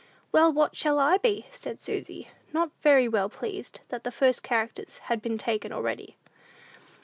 "Well, what shall I be?" said Susy, not very well pleased that the first characters had been taken already.